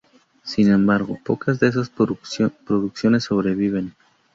Sin embargo, pocas de esas producciones sobreviven.